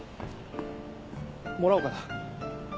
もらおうかな。